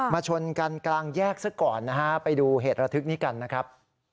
ชนกันกลางแยกซะก่อนนะฮะไปดูเหตุระทึกนี้กันนะครับ